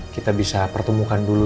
kita bisa pertemukan dulu